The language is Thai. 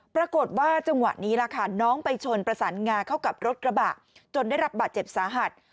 ปรากฏว่าจังหวะนี้ล่ะค่ะน้องไปชนประสานงาเข้ากับรถกระบะจนได้รับบาดเจ็บสาหัส